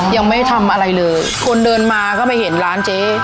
ยังไม่ทำอะไรเลยคนเดินมาก็ไปเห็นร้านเจ๊